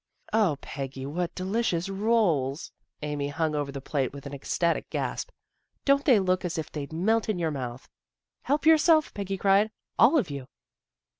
" 0, Peggy! What delicious rolls! " Amy hung over the plate with an ecstatic gasp. " Don't they look as if they'd melt in your mouth." " Help yourself," Peggy cried. " All of you."